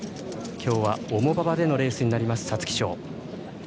今日は重馬場でのレースになります、皐月賞。